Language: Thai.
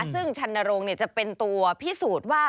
ซึ่งชันนรงค์จะเป็นตัวพิสูจน์ว่า